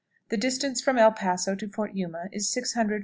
The distance from El Paso to Fort Yuma is 644 miles.